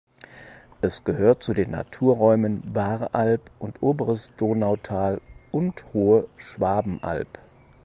Es gehört zu den Naturräumen Baaralb und Oberes Donautal und Hohe Schwabenalb.